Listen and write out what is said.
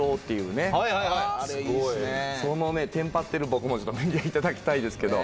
そのねテンパってる僕も見ていただきたいですけど。